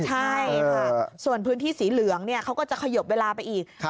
ใช่ค่ะส่วนพื้นที่สีเหลืองเขาก็จะขยบเวลาไปอีก